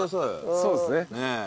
そうですね。